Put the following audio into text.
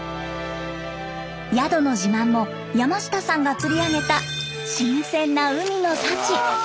宿の自慢も山下さんが釣り上げた新鮮な海の幸。